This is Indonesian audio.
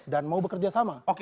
dan mau bekerja sama